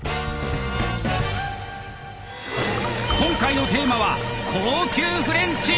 今回のテーマは「高級フレンチ」。